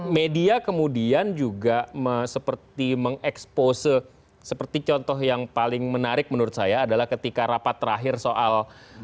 media kemudian juga seperti mengekspose seperti contoh yang paling menarik menurut saya adalah ketika rapat terakhir soal